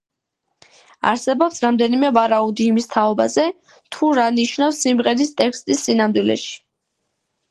არსებობს რამდენიმე ვარაუდი იმის თაობაზე, თუ რა ნიშნავს სიმღერის ტექსტი სინამდვილეში.